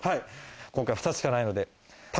今回２つしかないので。